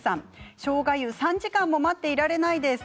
しょうが湯、３時間も待っていられないです。